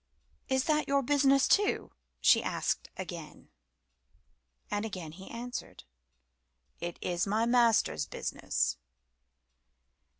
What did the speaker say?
"Is that your business too?" she asked again. And again he answered "It is my Master's business."